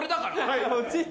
はい。